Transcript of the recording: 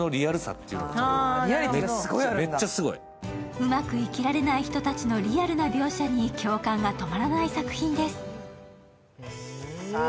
うまく生きられない人たちのリアルな描写に、共感が止まらない作品です。